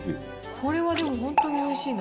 これはでも、本当においしいな。